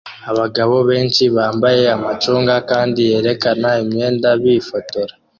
Abagabo benshi bambaye amacunga kandi yerekana imyenda bifotora